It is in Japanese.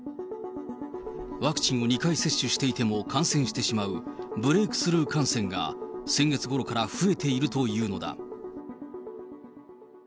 ワクチンを２回接種していても感染してしまうブレークスルー感染が、先月ごろから増えているというのだ。